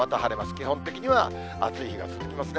基本的には暑い日が続きますね。